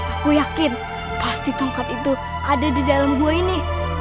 aku yakin pasti tongkat itu ada di dalam gua ini